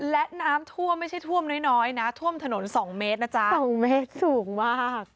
และน้ำท่วมไม่ใช่ท่วมน้อยนะท่วมถนน๒เมตรนะจ๊ะ๒เมตรสูงมาก